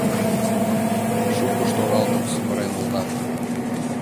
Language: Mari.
Шукышт оралтым сӱмырен олтат.